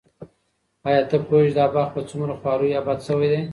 ایا ته پوهېږې چې دا باغ په څومره خواریو اباد شوی دی؟